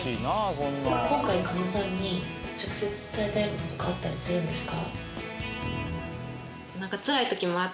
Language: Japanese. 今回狩野さんに直接伝えたいこととかあったりするんですか？